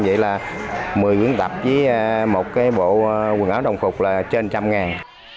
vậy là một mươi huyến tập với một cái bộ quần áo đồng phục là trên trăm ngàn